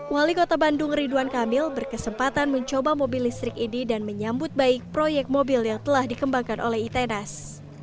wali kota bandung ridwan kamil berkesempatan mencoba mobil listrik ini dan menyambut baik proyek mobil yang telah dikembangkan oleh itenes